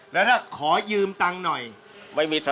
แล้วถ้าขอยืมตังค์หน่อยไม่มีสั